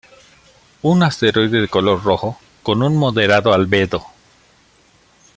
Un asteroide de color rojo, con un moderado albedo.